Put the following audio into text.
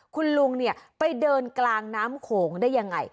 คุณลุงเนี่ยไปเดินกลางน้ำโขงได้ยังไง